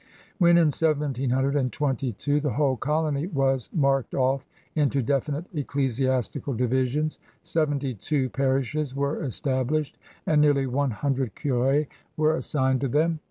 When in 1722 the whole colony was marked off into definite ecclesiastical divisions, seventy two parishes were established, and nearly one hundred curSs were assigned to them.